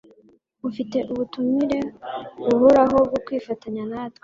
Ufite ubutumire buhoraho bwo kwifatanya natwe.